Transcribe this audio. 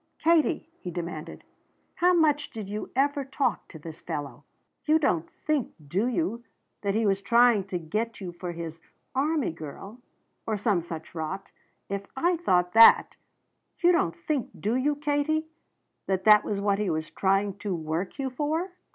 "Katie," he demanded, "how much did you ever talk to this fellow? You don't think, do you, that he was trying to get you for his 'army girl' or some such rot? If I thought that You don't think, do you, Katie, that that was what he was trying to work you for?"